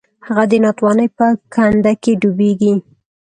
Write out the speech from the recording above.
هغه د ناتوانۍ په کنده کې ډوبیږي.